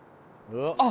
あっ！